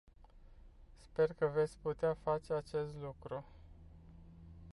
Sper că veți putea face acest lucru.